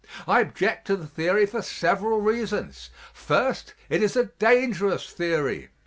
I object to the theory for several reasons. First, it is a dangerous theory.